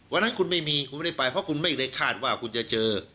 วันนั้นคุณไม่มีคุณไม่ได้ไปเพราะคุณไม่ได้คาดว่าคุณจะเจอ